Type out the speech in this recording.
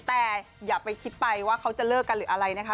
แต่อย่าไปคิดไปว่าเขาจะเลิกกันหรืออะไรนะคะ